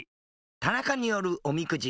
田中によるおみくじ。